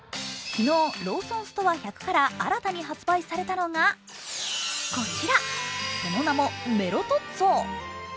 昨日、ローソンストア１００から新たに発売されたのがこちら、その名もメロトッツォ。